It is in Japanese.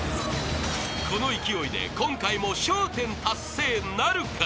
［この勢いで今回も笑１０達成なるか？］